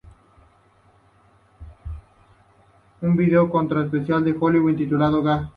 Un video corto especial de Halloween titulado "Gag!